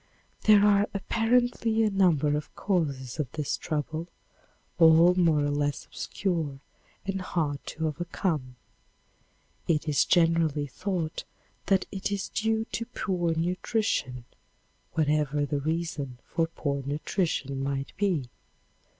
There are apparently a number of causes of this trouble, all more or less obscure and hard to overcome. It is generally thought that it is due to poor nutrition, whatever the reason for poor nutrition might be.